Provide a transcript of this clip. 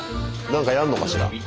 なんかやんのかしら。